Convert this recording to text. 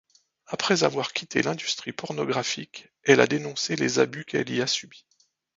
Après avoir quitté l'industrie pronographique, elle a dénoncé les abus qu'elle y a subis.